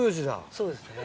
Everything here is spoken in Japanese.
そうですね。